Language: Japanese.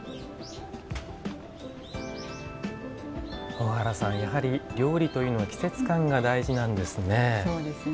大原さん、やはり料理というのは季節感が大事なんですね。